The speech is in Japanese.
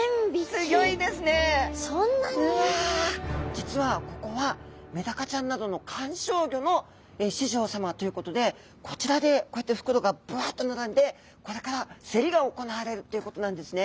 実はここはメダカちゃんなどの観賞魚の市場さまということでこちらでこうやって袋がバッと並んでこれから競りが行われるっていうことなんですね。